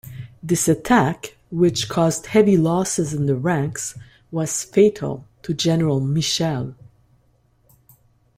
This attack, which caused heavy losses in the ranks, was fatal to General Michel.